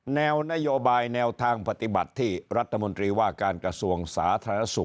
แนวนโยบายแนวทางปฏิบัติที่รัฐมนตรีว่าการกระทรวงสาธารณสุข